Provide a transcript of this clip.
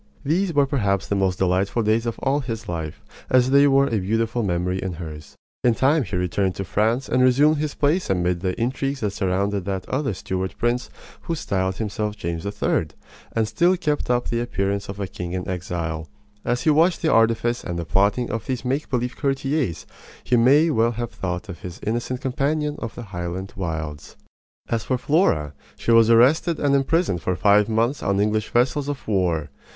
These were perhaps the most delightful days of all his life, as they were a beautiful memory in hers. In time he returned to France and resumed his place amid the intrigues that surrounded that other Stuart prince who styled himself James III., and still kept up the appearance of a king in exile. As he watched the artifice and the plotting of these make believe courtiers he may well have thought of his innocent companion of the Highland wilds. As for Flora, she was arrested and imprisoned for five months on English vessels of war.